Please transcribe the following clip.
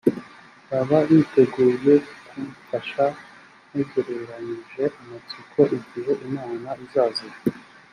baba biteguye kumfasha ntegerezanyije amatsiko igihe imana izazira